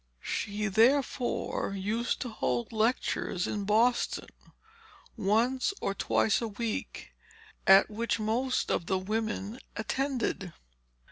She therefore used to hold lectures in Boston, once or twice a week, at which most of the women attended.